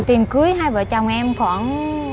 tiền cưới hai vợ chồng em khoảng